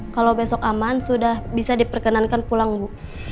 kalau besok aman sudah bisa diperkenankan pulang bu